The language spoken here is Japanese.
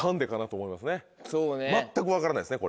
全く分からないですね